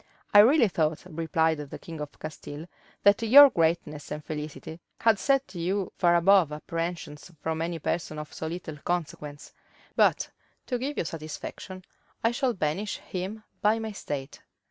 "I really thought," replied the king of Castile, "that your greatness and felicity had set you far above apprehensions from any person of so little consequence: but, to give you satisfaction, I shall banish him my state."